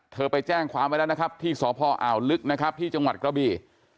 ไปแจ้งความไว้แล้วนะครับที่สพอ่าวลึกนะครับที่จังหวัดกระบี่